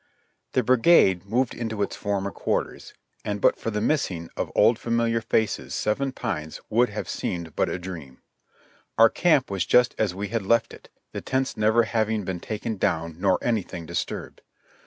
The brigade moved into its former quarters, and but for the missing of old famiHar faces Seven Pines would have seemed but a dream. Our camp v^as just as we had left it, the tents never having been taken down nor anything disturbed.